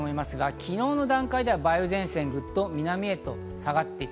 昨日の段階では梅雨前線がぐっと南に下がっていた。